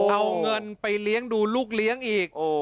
เอาเงินไปเลี้ยงดูลูกเลี้ยงอีก